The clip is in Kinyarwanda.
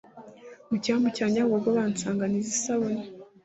mu cyambu cya nyabugogo bansanganiza isabune,